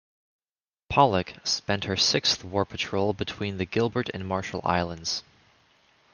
"Pollack" spent her sixth war patrol between the Gilbert and Marshall Islands.